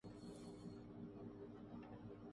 Saggian interchange کے بعد گاڑی ٹریفک میں پھنس گئی۔